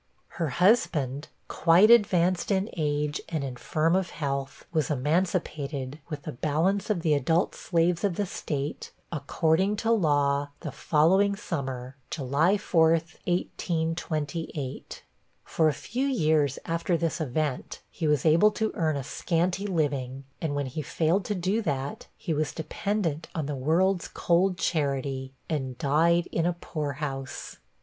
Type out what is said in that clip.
Her husband, quite advanced in age, and infirm of health, was emancipated, with the balance of the adult slaves of the State, according to law, the following summer, July 4, 1828. For a few years after this event, he was able to earn a scanty living, and when he failed to do that, he was dependent on the 'world's cold charity,' and died in a poorhouse.